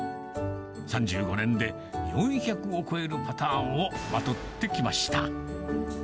３５年で４００を超えるパターンをまとってきました。